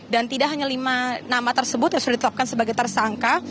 dan tidak hanya lima nama tersebut yang sudah ditetapkan sebagai tersangka